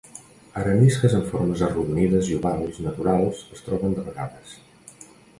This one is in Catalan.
Arenisques amb formes arrodonides i ovals naturals es troben de vegades.